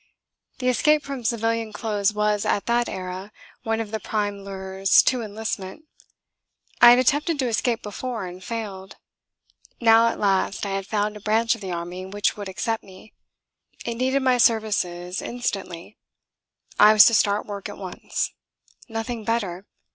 The escape from civilian clothes was, at that era, one of the prime lures to enlistment. I had attempted to escape before, and failed. Now at last I had found a branch of the army which would accept me. It needed my services instantly. I was to start work at once. Nothing better.